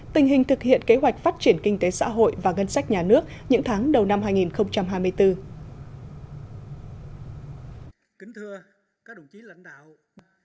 tình hình thực hiện kế hoạch phát triển kinh tế xã hội và ngân sách nhà nước những tháng đầu năm hai nghìn hai mươi bốn